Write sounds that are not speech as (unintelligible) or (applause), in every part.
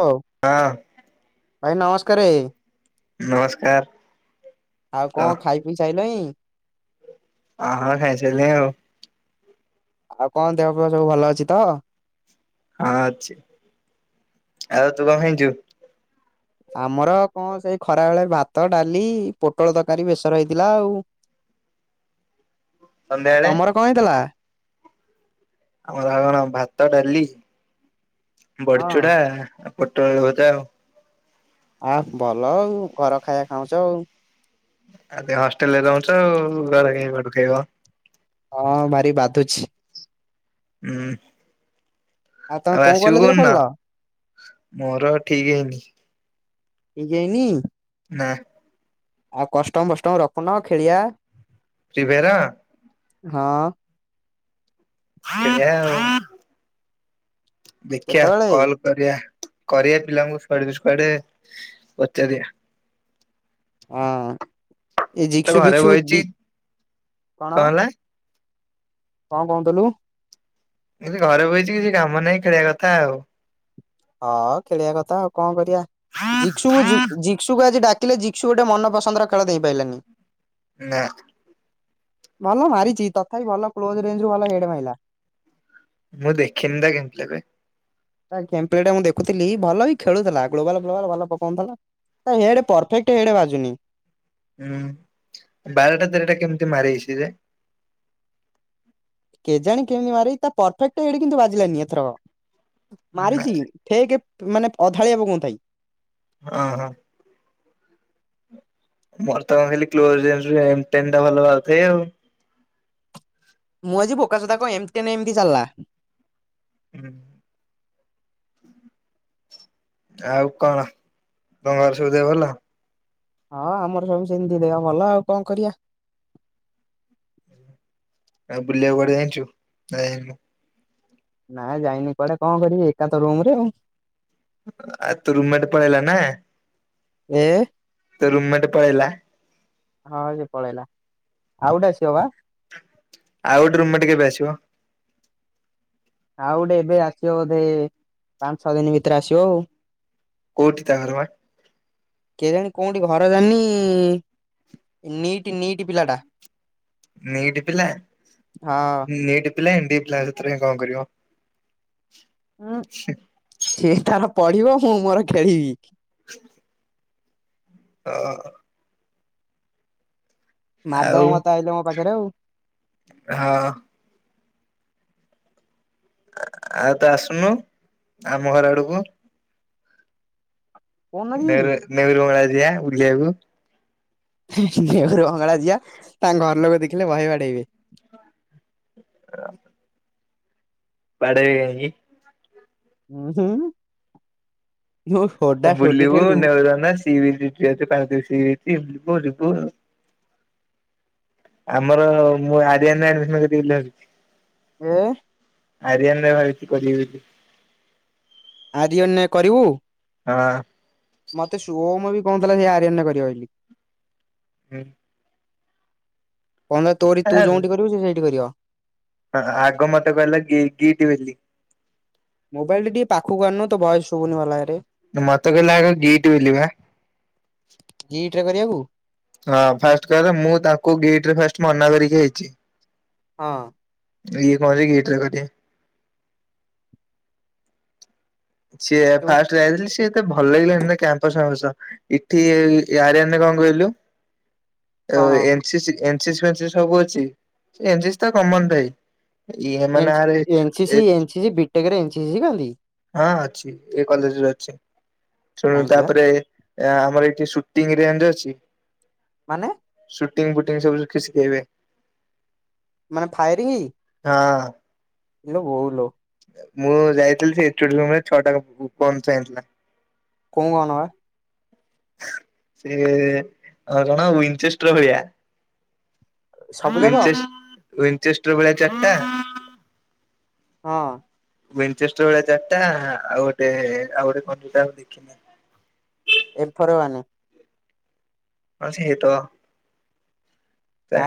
ହଉ ହଁ। ଭାଇ ନମସ୍କାରେ। ନମସ୍କାର ଆଉ କହ କଣ ଖାଇ ପିଇ ସାଇଲଇଁ। ଆ ହଁ ଖାଇସାରିଲିଣି ଆଉ। ଆଉ କଣ ଦେହପେହ ସବୁ ଭଲ ଅଛି ତ? ହଁ ଅଛି, ଆଉ ତୁ କଣ ଖାଇଛୁ? ଆମର କଣ ସେଇ ଖରା ବେଳେ ଭାତ, ଡାଲି, ପୋଟଳ ତରକାରୀ ବେଶର ହେଇଥିଲା ଆଉ। ଆଉ ସନ୍ଧ୍ୟାବେଳେ? ତମର କଣ ହେଇଥିଲା? ଆମର କଣ ଭାତ, ଡାଲି, ହଁ ବଡିଚୁଡା। ପୋଟଳ ଆଳୁ ଭଜା ଆଉ। ଆ ଭଲ ଆଉ ଘର ଖାଇଆ ଖାଉଛ ଆଉ। ଆଉ ତୁ ହଷ୍ଟେଲରେ ରହୁଛୁ ଆଉ ଘରେ କାଇଁ କୁଆଡୁ ଖାଇବ ହଁ ଭାରି ବାଧୁଛି। ହୁଁ। ତମେ ଆଉ କୋଉ ଆସିବୁ କଲେଜ ରେ କୋୖଦିନ, ପଢିଲ? ମୋର ଆଉ ଠିକ ହେଇନି। ଠିକ ହେଇନି? ନା। ଆଉ କଷ୍ଟମ ଫଷ୍ଟମ ରଖୁନ ଖେଳିବା। Free Fire? ହଁ। ଖେଳିବା ଆଉ। ଦେଖିଆ କେତେବେଳେ? କଲ କରିଆ। କରିବା ପିଲାଙ୍କୁ ସ୍କ୍ୱାଡ ଦି ସ୍କ୍ୱାଡ ପଚାରିଆ। ହଁ ଏ ତ ଜିକସୁ ଘରେ ଭିକଷୁ ବଇଚି ଡି କଣ? କଣ କହୁଥିଲୁ? କି ଘରେ ବଇଛି କିଛି କାମ ନାହିଁ ଖେଳିବା କଥା ଆଉ। ହଁ ଖେଳିବା କଥା ଆଉ କଁ କରିଆ ଜିକ୍ସୁ କୁ ଜି ଜିକ୍ସୁ କୁ ଆଜି ଡାକ କିଲେ ଜିକ୍‌ଷୁ ଗୋଟେ ମନପସନ୍ଦର ଖେଳ ଦେଇଁପାଇଲାନି । ନା । ଭଲ ମାରିଚ଼ି ତଥାପି ଭଲ କ୍ଲୋଜ ରେଞ୍ଜ ରୁ ଭଲ ହେଡ ମାଇଲା । ମୁଁ ଦେଖିନି ତ କେମତିଆ କଏ ତା କେମ୍ ପ୍ଲେଟ ମୁଁ ଦେଖୁଥିଲି ଭଲ ବି ଖେଳୁଥୁଲା ଗ୍ଲୋବାଲ୍ ଫ୍ଲୋବାଲ୍ ଭଲ ପକଉଁଥିଲା । ହେଡ ପରଫେକ୍ଟ ହେଡ ବାଜୁନି । ହୁଁ ବାରଟା ତେରଟା କେମିତି ମାରେଇଛି ରେ? କେଜାଣି କେମିତି ମାରେଇ ତା ପରଫେକ୍ଟ ହେଡ କିନ୍ତୁ ବାଜିଲାନି ଏଥରକ । ନା ମାରିଚ଼ି ଫେକ ମାନେ ଅଧାଳିଆ ପକଉଁଥାଏ। ଅଁ ହଁ । ମୋର ତ କଁ ଖାଲି କ୍ଲୋଜ୍ ରେଞ୍ଜ ରୁ ଏମ୍ ଟେନ୍ ଟା ଭଲ ବାଯୁଥାଏ ଆଉ । ମୁଁ ଆଜି ବୋକାଚୋଦା କଁ ଏମ୍ ଟେନ୍ ଏମିତି ଚାଲ୍ଲା । ହଁ ଆଉ କଣ ତମର ସବୁ ଦେହ ଭଲ? ହଁ ଆମର ସବୁ ସେମିତି ଦେହ ଭଲ ଆଉ କଣ କରିଆ । ଆଉ ବୁଲିଆ କୁ କୁଆଡ଼େ ଯାଇଚୁ ନା ଯାଇନୁ? ନା ଯାଇନି କୁଆଡେ କଁ କରିବି ଏକାତ ରୁମ ରେ ଆଉ । ଆ ତୋ ରୁମ୍ ମେଟ୍ ପଳେଇଲା ନା? ଏ? ତୋ ରୁମ୍ ମେଟ୍ ପଳେଇଲା? ହଁ ସେ ପଳେଇଲା ଆଉ ଗୋଟେ ଆସିବ ବା। ଆଉ ଗୋଟେ ରୁମମେଟ୍ କେବେ ଆସିବ? ଆଉ ଉଟେ ଏବେ ଆସିବ ବୋଧେ ପାଞ୍ଚ, ଛଅ ଦିନ ଭିତରେ ଆସିବ ଆଉ। କୋଉଠି ତା ଘର ବା? କେଇଜାଣି କୋଉଁଠି ଘର ଜାଣିନି ନିଟି ନିଟି ପିଲାଟା। ନିଟି ପିଲା ହଁ। ନିଟ୍ ପିଲା ଏମ୍ ବିଏ ପିଲା ସେଥିରେ କଣ କରିବ? ଉୁଁ ସେଇ ତାର ପଢିବ ମୁଁ ମୋର ଖେଳିବି। (inaudible) ଅ ମାର୍ ଆଉ ଦବ ମତେ ଆଇଲେ ମୋ ପାଖରେ ଆଉ। ହଁ ଆ ତୁ ଆସୁନୁ ଆମ ଘର ଆଡକୁ? କୋଉଦିନ ଯିବି? ନେହେରୁ ନେହେରୁ ବଙ୍ଗଳା ଯିବା ବୁଲିବାକୁ। ହୁଁ ନେହୁରୁ ବଙ୍ଗଳା ଯିବା ତାଙ୍କ ଘର ଲୋକ ଦେଖିଲେ ବହେ ବାଡେଇବେ। (inaudible) ବାଡ଼େଇବେ ଇ ଉୁଁ ହୁଁ। ଯୋଉ ସୋଡା ଅ ସୋଡି ବୁଲିବୁ ଠେଲୁ ନେହେରୁ ଅନା ସି ବିଚ୍ (unintelligible) ଅଛି ପାରାଦ୍ଵୀପ ସି ବିଚ୍ ଯିବୁ ଆମର ମୁଁ ଆରିୟାନ ଆଡମିଶନ୍ କରିବି ବୋଲି ଭାବିଚି। ଏ? ଆରିଆନ୍ ରେ ଭାବିଚ଼ି କରିବି ବୋଲି। ଆରିଅନ୍ ରେ କରିବୁ? ହଁ ମତେ ଶୋମ ବି କଉଁଥିଲା ସିଏ ଆରିଅନ୍ ରେ କରିବ ବୋଲି। ଉୁଁ। କଣ ନା ତୋରି ତୁ ଯୋଉଁଠି କରିବୁ ସିଏ ସେଇଠି କରିବ? ହଁ ଆଗ ମତେ କହିଲା ଗି ଗିଟ୍ ବୋଲି। ମୋବାଇଲଟା ଟିକେ ପାଖକୁ ଆଣୁନୁ ତୋ ଭଏସ ସୁବୁନି ଭଲଭାବରେ। ମତ କହୀଲା ଆଗ ଗିଟି ବୋଲି ପା। ଟ୍ରେ କରିଆକୁ? ହଁ ଫାଷ୍ଟ କାର ମୁଁ ତାଙ୍କୁ ଗିଟରେ ଫାଷ୍ଟ ମନା କରିକି ଆଇଛି। ହଁ। ଇଏ କରିକି ଏଥିରେ କରିବେ ସିଏ ତୁ ଫାଷ୍ଟ ଯାଇଥିଲେ ସିଏ ଏତେ ଭଲ ଲାଗିଲାନି ଏ କ୍ୟାମ୍ପସ ଫାମ୍ପସ। ଏଠି ୟାରୀୟନ୍ ରେ କଣ କହିଲୁ? ଅ କଣ ଏନସିସି ଏନସିସ୍ ଫେନସିସି ସବୁ ଅଛି। ଏନସିସ୍ ତ କମନ ଥାଏ। ଇଏମ ଏନସ ନାଁରେ ଏ ଏନସିଶି ଏନସିସି ବି ଟେକରେ ଏନସିସି ଶିଖାନ୍ତି? ହଁ ଅଛି ଏଇ କଲେଜରେ ଅଛି। ଶୁଣୁ କାହିଁକି ବା ତାପରେ ଆମର ଏ ଠି ଶୁଟିଂ ରେଞ୍ଜ ଅଛି। ମାନେ? ସୁଟିଂ ଫୁଟିଙ୍ଗ ସବୁ ସିଖ୍ ଶିଖେଇବେ। ମାନେ ଫାୟାରିଂ? ହଁ ଇଲୋ ବୋଉଲୋ। ମୁଁ ଯାଇଥିଲି ସେ ଏଚୋଡ଼ି ରୁମରେ ଛଅଟା ପୁ ପ ଗନ୍ ଥୁଆ ହେଇଥିଲା। କଣ ବା? ସେ ଜଣ ୱିଞ୍ଚେଷ୍ଟର ଭଳିଆ। ସବୁ ଜାଗ? ୱିଞ୍ଚେଷ୍ଟର ଭଳିଆ ଚାରିଟା ହଁ। ୱିଞ୍ଜେଷ୍ଟର ଭଳିଆ ଚାରିଟା ଆଉ ଗୋଟେ ଆଉ ଗୋଟେ (unintelligible) ଦେଖିନି। M four one. ହଁ ସିଏ ତ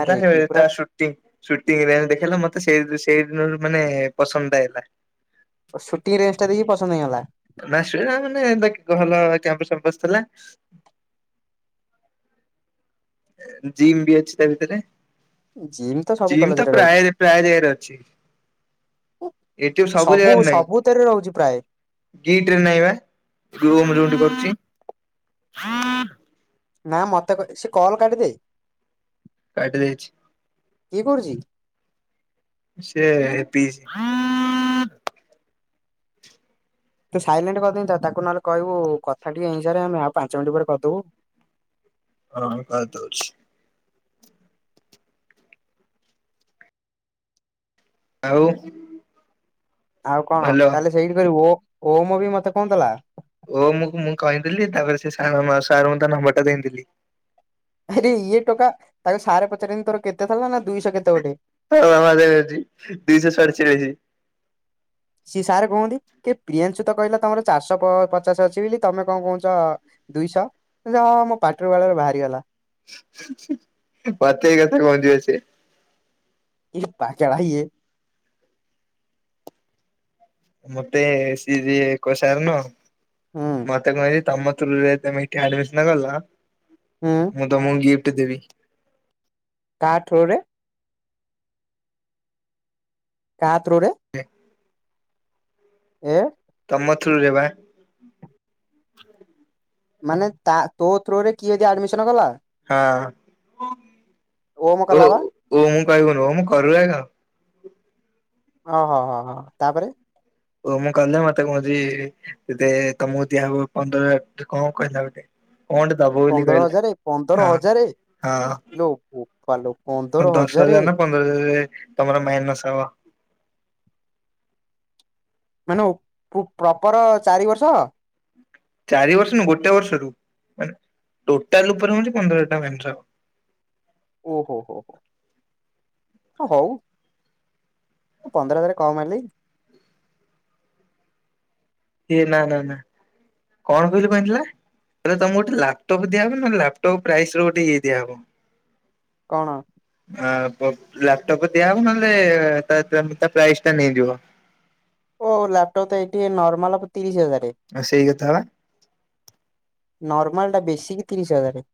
ଆରେ ପୁରା ତା ସୁୁଟ୍ଟି। ସୁଟିଂରୁ ଆଣି ଦେଖେଇଲା ମତେ ସେଇ ସେଇ ଦିନରୁ ମାନେ ପସନ୍ଦ ହେଇଲା। ସୁଟିଂ ରେ୍ଜ ଟା ଦେଖି ପସନ୍ଦ ହେଇଗଲା। ନା ସେଟା ମାନେ କ୍ୟାମ୍ପସ ଫାମ୍ପସ ଥିଲା। (inaudible) ଜିମ୍ ବି ଅଛି ତା ଭିତରେ। ଜିମ୍ ତ ସବୁ ଜିମ୍ ତ କଲେଜରେ ରହୁଛି ପ୍ରାୟ ପ୍ରାୟ ଜାଗାରେ ଅଛି। ଏଠ ସବୁ ଜାଗାରେ ନାଇଁ ସବୁଥିରେ ରହୁଛି ପ୍ରାୟ ଗିଟରେ ନାଇଁ ବା। ରୁମୁ ଯୋଉଠି କରୁଛି। ନା ମତେ ସେ କଲ୍ କାଟିିଦେ। କାଟି ଦେଇଛି। ସେ ପିଇସି ତୁ ସାଇଲେଣ୍ଟ କରିଦେଇି ତ ତାକୁ ନହେଲେ କହିବୁ କଥା ଟିକେ ହେଇସାରେ ଆମେ ଆଉ ପାଞ୍ଚ ମିନିଟ ପରେ କରିଦବୁ। (inaudible) ହଁ ରହ ଦୋଉଚି। ଆଉ। ଆଉ କଣ ଭଲ। ତାହେଲେ ସେଇଠି କରିବି ଓ ଓମ ବି ମତେ କହୁଥିଲା। ଓ ମୁଁ ମୁଁ କହିଦେଥିଲି ତାପରେ ସେ ସାରୁ ମୁ ତା ନମ୍ବର ଟା ଦେଇଥିଲି। ଆରେ ଇଏ ଟୋକା ତାକୁ ସାରେ ପଚାରିନ ତୋର କେତେ ଥିଲା ନା ଦୁଇଶହ କେତେ ଗୋଟେ। (unintelligible) ହ ଦୁଇଶହ ସଡଚାଳିଶି। ସିଏ ସାରେ କୁହନ୍ତି କେ ପ୍ରିୟାନଶୁ ତ କହିଲା ତମର ଚାରିଶହ ପଚାଶ ଅଛି ବୋଲି ତମେ କଣ କହୁଛ ଦୁଇଶହ ହଁ ହଁ ମୋ ପା ପାଟିରୂ ବାର ବାହାରୁ ବାହାରିଗଲା। ହୁଁ ହୁଁ ପତୁଭାଇ କଥା କହୁଚି ପା ସିଏ। କି ପାଗଳା ଇଏ। ମତେ ସି କୋଷାର ନ ହୁଁ ମତେ କହିଲେ ତମ ଥ୍ରୁ ରେ ତମେ ଏଠି ଆଡମିସନ ଗଲା ହୁଁ ମୁଁ ତମକୁ ଗିପ୍ କେତେ ଦେବି। କାହା ଥ୍ରୁ ରେ? କା ଥ୍ରୋ ରେ? ହେ। ଏଁ। ତମ ଥ୍ରୁ ରେ ବା। ମାନେ ତା ତୋ ଥ୍ରୋରେ କିଏ ଯଦି ଆଡମିସନ କଲା? ହଁ। ଓମ ଓ ଓ କଲା ବା ଓମ କୁ କହିବୁନି ଓମ କରୁ ଆଗ। ଓହୋ ହ ହ ତାପରେ? ଓ ମୁଁ କହିଲି ମତେ କହଛିେ ତମକୁ ଦିଆହବ ପନ୍ଦର ହ କଣ କହିଲା ଗୋଟେ କଣ ଗୋଟେ ଦବ ବୋଲି ପନ୍ଦର ହଜାରେ ପନ୍ଦର ହଜାରେ କହିଲା। ଲୋ ବୋପାଲୋ ହଁ ପନ୍ଦର ଦଶ ହଜାରେ ହଜାର ନା ପନ୍ଦର ହଜାର ତମର ମାଇନସ ହବ। (inaudible) ମାନେ ପ୍ରପର ଚାରି ବର୍ଷ? ଚାରି ବର୍ଷ ନା ଗୋଟେ ବର୍ଷରୁ ମାନେ ଟୋଟାଲ ଉପରେ ହଉଛି ପନ୍ଦର ହଜାର ଟଙ୍କା ମାଇନସ ହବ। ଓ ହୋ ହୋ ହୋ ହ ହଉ। ମୁଁ ପନ୍ଦର ହଜାରେ କମ ହେଲେଈ। ସେଏ ନା ନା ନା କଣ କହିଲୁ ପାଣ୍ଡୁଆ? ହେଲେ ତମକୁ ଗୋଟେ ଲାପଟପ ଦିଆହେବ ନା ଲାପଟପ୍ ପ୍ରାଇସ ର ଗୋଟେ ଇଏ ଦିଆ ହବ? କଣ? ଆ ବ ଲାପଟପ୍ ଦିଆହେବ ନହେଲେ ତା- ତା- ତା ପ୍ରାଇସ୍ ଟା ନେଇଯିବ। ଓ ଲ୍ୟାପଟପ ତ ଏଠି ନର୍ମଲ ହବ ତିରିଶ ହଜାର। ଆଉ ସେଇ କଥା ବା। ନର୍ମଲ ଟା ବେଶୀକି ତିରିଶ ହଜାର।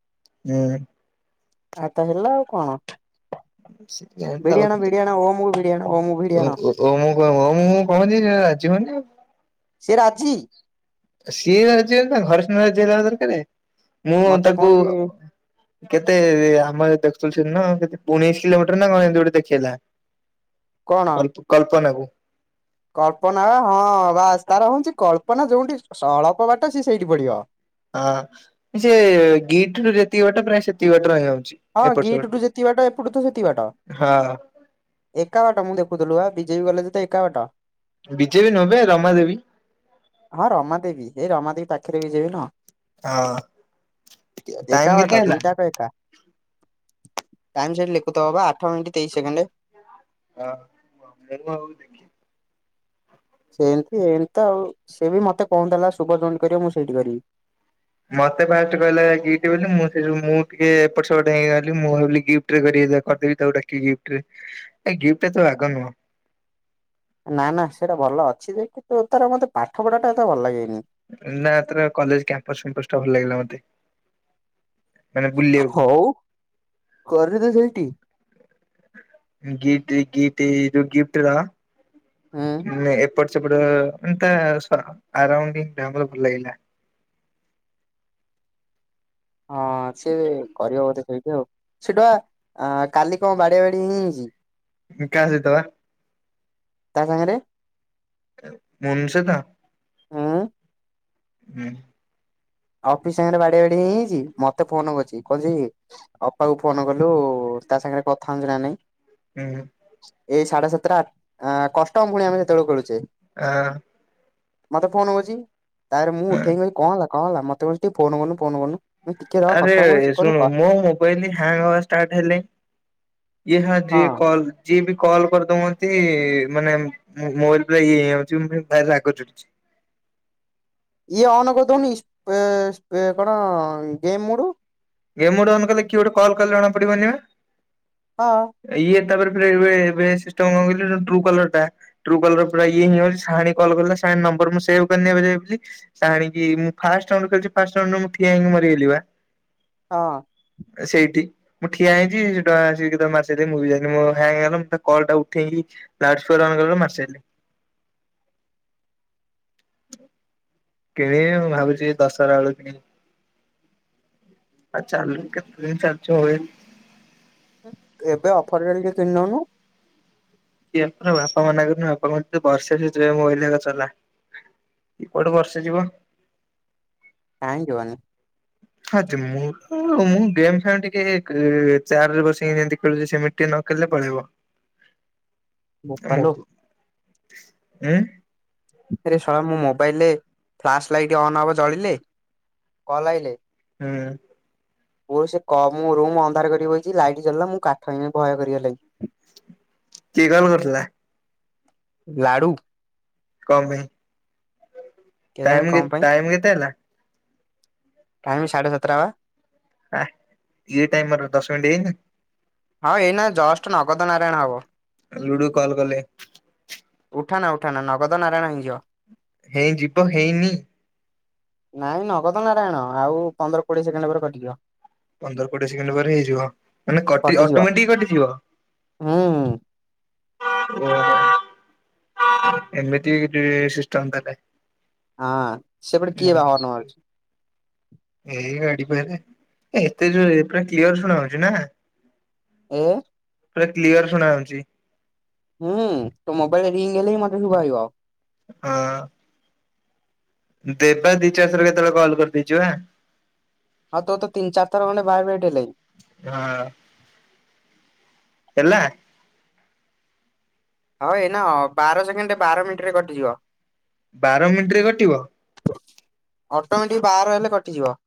ହୁଁ। ଆ ତ ହେଲା ଆଉ କଣ? (unintelligible) ଭିଡି ଆଣ ଭିଡି ଆଣ ଓମ କୁ ଭିଡି ଆଣ ଓମ କୁ ଭିଡି ଓ ଆଣ ଓ ମୁଁ କ ମୁଁ କହୁନି ସେ ରାଜି ହଉନି । ପଜିି ସିଏ ରାଜି ହେଲେ ତାଙ୍କ ଘର ସିନା ରାଜି ଦେବା ଦରକାର ମୁଁ ମତେ ତାକୁ କହୁଛି କେତେ ଆମର ଦେଖୁଥିଲୁ ସେ କେ ଉଣେଇଶ କିଲୋମିଟର ନା କଣ ଏମିତି ଗୋଟେ ଦେଖେଇଲା। କଣ ଅପ କଳପନାକୁୁ କଳ୍ପନା ବା ହଁ ବାସ ତାର ହଉଚି କଳ୍ପନା ଯୋଉଠି ଅଳପ ବାଟ ସି ସେଇଠି ପଡିବ। ହଁ ସେ ଗିଟ ରୁ ଯେତିକି ବାଟେ ପ୍ରାୟ ସେତିକ ବଟ ରହିବ। ହଁ ଗିଟଠୁ ଯେତିକି ବାଟ ଏପଟୁ ତ ସେତିକି ବାଟ, ହଁ ଏକା ବାଟ ମୁଁ ଦେଖ କୁତଲୁ ବା ବିଜେବି କଲେଜ ତ ଏକା ବାଟ। ବିଜେପି ନୁହେଁ ବେ ରମା ଦେବୀ ହଁ ରମାଦେବୀ ଏଇ ରମାଦେବୀ ପାଖରେ ବିଜେବି ନା। ହଁ। ଟାଇମ ଏକା କେତେ ବାଟ ହେଲା? ଦିଇଟାକ ଏକା। ଟାଇମ ସେଟ୍ ଲେଖଥୁବ ପା ଆଠ ମିନିଟ ତେଇଶ ସେକେଣ୍ଡ। ହଁ ହଉ (unintelligible) ସେମତି ଏମିତି ତ ଆଉ ସେ ବି ମତେ କହୁଥିଲା ଶୁଭ ଯଉଠୀ କରିବ ମୁଁ ସେଇଠି କରିବି। ମତେ ଫାଷ୍ଟ କହିଲା ଗିପ୍ଟ ବୋଲି ମୁଁ ସେ ମୁଁ ଟିକେ ଏପଟ ସେପଟେଇ ଗଲି ମୁଁ ଭାବି ଗିଫ୍ଟରେ କରି କରିଦେବି ତା ଡାକି ଗୀପ୍ଟ ରେ ଏ ଗିଫ୍ଟ ତ ଆଗ ନୁହଁ। ନା ନା ସେଟା ଭଲ ଅଛି ଯେ କିନ୍ତୁ ତାର ମତେ ପାଠ ପଢା ଟା ଏତ ଭଲ ଲାଗେନି। ନା ତାର କଲେଜ କ୍ୟାମ୍ପସ ଫମ୍ପସ ଟା ଭଲ ଲାଗିଲା ମତେ। ମାନେ ବୁଲିବାକୁ ହଉ କରିଦେ ସେଇଟି। ଗିଫଟ ଗିଟି ଯୋ ଗିଫ୍ଟର ହୁଁ ନେଁ ଏ ଏପଟ ସେପଟ ମାନେ ତା ସ ସାରାଉଣ୍ଡିଂ ଟା ଆମର ଭଲ ଲାଗିଲା। (inaudible) ହଁ ସିଏ କରିବ ବୋଧେ ସେଇଠି ଆଉ। ସେଠୁ ବା କାଲି କଣ ବାଡିଆ ବାଡି ହେଇ ଯାଇଚି। କାହା ସହିତ ବା? ତା ସାଙ୍ଗରେ। ମନୁ ସହିତ? ଉଁ ହୁଁ। ଅଫିସ ସାଙ୍ଗରେ ବାଡିଆ ବାଡି ହେଇଯାଇଚି, ମତେ ଫୋନ କରିଛି କହିଚି ଅପା କୁ ଫୋନ କଲୁ ତା ସାଙ୍ଗରେ କଥା ହଉଚି ନା ନାଇଁ? ହୁଁ ଏଇ ସାଢେ ସାତଟା ଆ କଷ୍ଟମ ପୁଣି ଆମେ ସେତେବେଳେ ଖେଳୁଚେ। ଆହ। ମତେ ଫୋନ କରୁଚି, ତାପରେ ମୁଁ ଉଠେଇକି କହିଲି କଣ ହେଲା କଣ ହେଲା ମତେ କହଉଚି ଟିକେ ଫୋନ କରନୁ ଫୋନ କରନୁ। ଆରେ ଶୁଣୁ ମୋ ମୋବାଇଲ ହ୍ୟାଙ୍ଗ ହବା ଷ୍ଟାର୍ଟ ହେଲେ ୟେ ହଁ ଯିଏ କଲ ଯିଏ ବି କଲ କରିଦଉ ମତେ ମାନେ ମୋବାଇଲ ପୂରା ଇଏ ହେଇଯାଉଚି, ମତେ ଭାରି ରାଗ ଚିଡ଼ୁଛି। (inaudible) ଇଏ ଅନ କରି ଦଉନୁ ଇସ ଏ ସ୍ପେ କଣ game mode. Game mode on କଲେ କିଏ ଗୋଟେ କଲ କଲେ ଜଣା ପଡିବନି ହଁ ବା ଇଏ ତାପରେ ରେ ଇବେ ଏବେ ସିଷ୍ଟମ କଣ କହିଲୁ ଟ୍ରୁ କଲର ଟା ଟ୍ରୁ କଲର ପୁରା ଇଏ ହେଇ ଯାଉଚି, ସାହାଣୀ କୁ କଲ କଲା, ସାହାଣୀ ନ ନମ୍ବର ମୁଁ ସେଭ କରିନି ବୁଲି ସାହାଣୀ କି ମୁଁ ଫାଷ୍ଟ ରାଉଣ୍ଡ ଖେଳିଛି ମୁଁ ଫାଷ୍ଟ ରାଉଣ୍ଡ ରୁ ଠିଆ ହେଇନି ମରିଗଲି ବା। ହଁ। ସେଇଠି ମୁଁ ଠିଆ ହେଇଛି ସେ ଟୋକା ଆସି କେତେବେଳେ ମାରି ସାରିଲାଣି ମୁଁ ବି ଜାଣିନି ମୋ ଫୋନ ହ୍ୟାଙ୍ଗ ହେଲା ମୁଁ ତା କଲ ଟା ଉଠେଇକି ଲାଉଡ଼ ସ୍ପିକର ଅନ କଲା ବେଳକୁ ମାରି ସାରିଲାଣି। (inaudible) କିଣିବି ମୁଁ ଭାବୁଛି ଦଶହରା ବେଳକୁ କିଣିବି। ଆଉ ଚାଲୁ କେତେ ଦିନ ଚାଲୁଛି। ଏବେ ଅଫର ଚାଲିଛି କିଣି ଦଉନୁ। ଏ ବାପା ମନା କରିଛନ୍ତି ବାପା ମତେ ବର୍ଷେ ସେ ମୋବା ଇଲ ଆଗ ଚଲା। କୁଆଡୁ ବର୍ଷେ ଯିବ। (unintelligible) ହଁ ଯେ ମୁଁ ଗେମ୍ ଫେମ ଟିକେ ଚାର୍ଜ ରେ ବସେଇକି ଯେମିତି ଖେଳୁଛି ସେମିତି ଟିକେ ନ ନ ଖେଳିଲେ ପଳେଇବ। ବୋପାଲୋ। ହୁଁ ଉଁ। ରେ ସଳା ମୋ ମୋବାଇଲରେ ଫ୍ଲାସ ଲାଇଟ୍ ଅନ୍ ହବ ଜଳିଲେ କଲ୍ ଆଇଲେ। ହୁଁ। ପୁଅ ସେ କ ମୁଁ ରୁମ୍ ଅନ୍ଧାର କରି ବଇଛି ଲାଇଟ ଜଳିଲା ମୁଁ କାଠ ହେଇନି ଭୟ କରି ଗଲିନି। (inaudible) କିଏ କଲ କରିଥିଲା। ଲାଡ଼ୁ? କଣ ପାଇଁ କେଜାଣି କଣ ଟାଇମ ପାଇଁ ଟାଇମ କେତେ ହେଲା? ଟାଇମ ସାଢ଼େ ସାତ ଟା ବା। ଆ ଇଏ ଟାଇମ ମୋର ଦଶ ମିନିଟ ହେଇନି। ହଁ ଏଇନା ଜଷ୍ଟ ନଗଦ ନାରାୟଣ ହବ। ଲୁଡୁ କଲ୍ କଲେ। ଉଠାନା ଉଠାନା ନଗଦ ନାରାୟଣ ହେଇ ଯିବ। ହେଇ ଯିବ ହେଇନି? ନାଇଁ ନଗଦ ନାରାୟଣ ଆଉ ପନ୍ଦର କୋଡିଏ ସେକେଣ୍ଡ ପରେ କଟିିଯିବ। ପନ୍ଦର କୋଡିଏ ସେକେଣ୍ଡ ପରେ ହେଇଯିବ ମାନେ କଟି କଟିଯିବ ଅଟୋମେଟିକ କଟିଯିବ? ହୁଁ। ଓହୋ ଏମିତି ସିଷ୍ଟମ ହଁ ସେପଟେ କିଏ ତାହେଲେ। ବା ହର୍ଣ୍ଣ ମାରୁଛି (inaudible) ଏଇ ଗାଡି। (unintelligible) ଏତେ ଯୋରେ ପୁରା କ୍ଲିୟର ଶୁଣା ହଉଛି ନା। ଆଜ୍ଞା। ପୁରା କ୍ଲିୟର ଶୁଣା ହଉଛି। ହୁଁ ତ ମୋବାଇଲରେ ରିଙ୍ଗ ହେଲେ ବି ମତେ ସୁବାଜିବ। ହଁ। ଦେବା ଦିଚାରି ଥର କେତେବେଳ କଲ କରି ଦେଇଛୁ ଆଁ। ହଁ ତୋର ତ ତିନି ଚାରି ଥର ଖଣ୍ଡେ ଭାଇବ୍ରେଟ ହେଲାଣି। ହଁ ହେଲା। ହଉ ଏଇନା ବାର ସେକେଣ୍ଡ ବାର ମିନିଟ ରେ କଟିଯିବ। ବାର ମିନିଟରେ କଟିବ। ଅଟୋମେଟିକ ବାର ହେଲେ କଟିଯିବ।